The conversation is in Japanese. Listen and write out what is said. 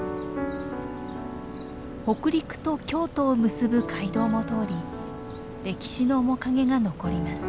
北陸と京都を結ぶ街道も通り歴史の面影が残ります。